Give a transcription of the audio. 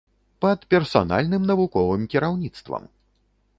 Пад персанальным навуковым кіраўніцтвам!